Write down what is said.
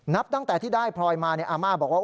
นับตั้งแต่ที่ได้พลอยมาอาม่าบอกว่า